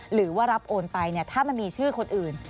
หรือว่ารับโอนไปถ้ามันมีชื่อคนอื่น